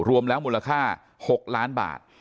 รวมแล้วมูลค่า๖ล้านบาท